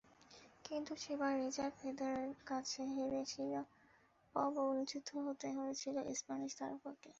কিন্তু সেবার রজার ফেদেরারের কাছে হেরে শিরোপাবঞ্চিত হতে হয়েছিল স্প্যানিশ তারকাকে।